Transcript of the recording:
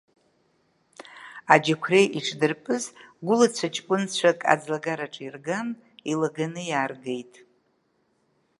Аџьықәреи иҿдырпыз гәылацәа ҷкәынцәак аӡлагараҿы ирган, илаганы иааргит.